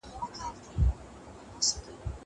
زه پرون لوښي وچولې.